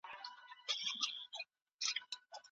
دا باغ د یوې لویې کورنۍ سرمایه ده.